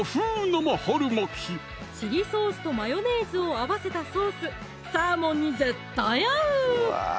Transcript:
チリソースとマヨネーズを合わせたソースサーモンに絶対合う！